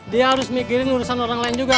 dia harus mikirin urusan orang lain juga